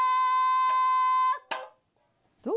どう？